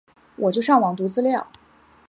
我就上网读资料